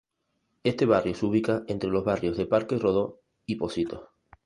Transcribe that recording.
Este barrio se ubica entre los barrios de Parque Rodó y Pocitos.